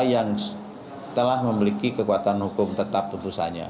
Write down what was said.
yang telah memiliki kekuatan hukum tetap putusannya